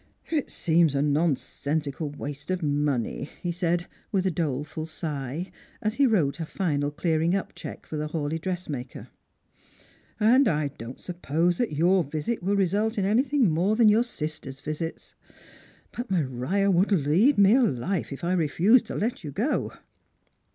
"It seems a nonsensical waste of money," he said, with a doleful sigh, as he wrote a final clearingup cheque for the Hawleigh dressmaker, " and I don't suppose that your visit will result in anything more than your sisters' visits. But Maria would lead me a life if I refuhcd to let you go."